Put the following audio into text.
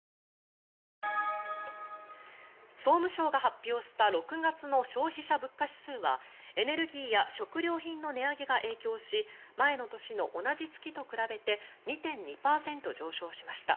総務省が発表した６月の消費者物価指数はエネルギーや食料品の値上げが影響し前の年の同じ月と比べて２．２％上昇しました。